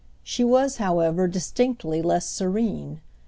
She was, however, distinctly less serene.